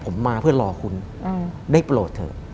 ผมมาเพื่อรอคุณได้โปรดเถอะ